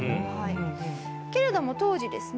けれども当時ですね